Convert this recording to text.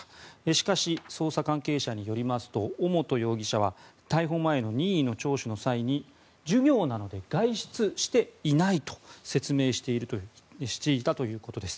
しかし、捜査関係者によりますと尾本容疑者は逮捕前の任意の聴取の際に授業なので外出していないと説明していたということです。